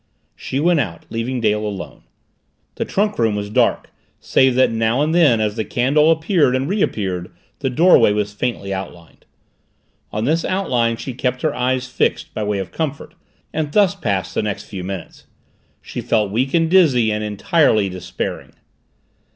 She went out, leaving Dale alone. The trunk room was dark, save that now and then as the candle appeared and reappeared the doorway was faintly outlined. On this outline she kept her eyes fixed, by way of comfort, and thus passed the next few moments. She felt weak and dizzy and entirely despairing.